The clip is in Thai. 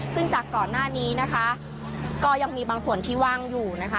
ซึ่งจากก่อนหน้านี้นะคะก็ยังมีบางส่วนที่ว่างอยู่นะคะ